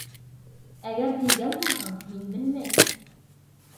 Әгәр тейгән булһаң, мин белмәйем!..